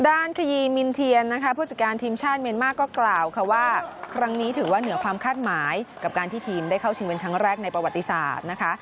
คดีมินเทียนนะคะผู้จัดการทีมชาติเมียนมาร์ก็กล่าวค่ะว่าครั้งนี้ถือว่าเหนือความคาดหมายกับการที่ทีมได้เข้าชิงเป็นครั้งแรกในประวัติศาสตร์นะคะ